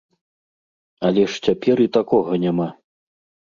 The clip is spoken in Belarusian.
Але ж цяпер і такога няма.